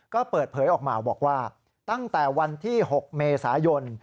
ก็เปิดเผยออกมาบอกว่าตั้งแต่วันที่๖เมษายน